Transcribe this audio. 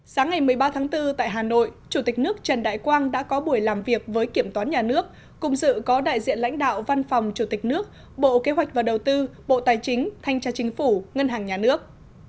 sáng ngày một mươi ba tháng bốn tại hà nội chủ tịch nước trần đại quang đã có buổi làm việc với kiểm toán nhà nước cùng dự có đại diện lãnh đạo văn phòng chủ tịch nước bộ kế hoạch và đầu tư bộ tài chính thanh tra chính phủ ngân hàng nhà nước